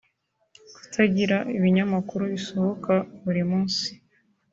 e) Kutagira ibinyamakuru bisohoka buri munsi